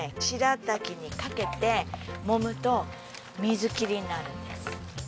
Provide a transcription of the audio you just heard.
しらたきにかけてもむと水切りになるんです。